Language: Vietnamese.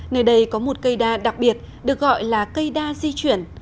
nơi đây có một cây đa đặc biệt được gọi là cây đa di chuyển